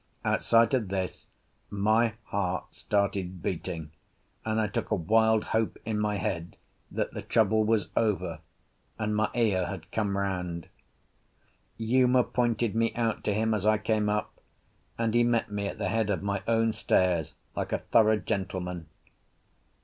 At sight of this my heart started beating, and I took a wild hope in my head that the trouble was over, and Maea had come round. Uma pointed me out to him as I came up, and he met me at the head of my own stairs like a thorough gentleman.